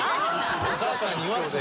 お母さんに言わすな。